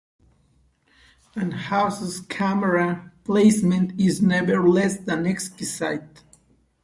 And Hou's camera placement is never less than exquisite.